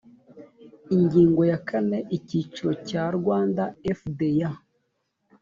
ingingo ya kane icyiciro cya rwanda fda